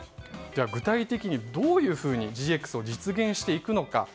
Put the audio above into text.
具体的にどういうふうにＧＸを実現していくのか。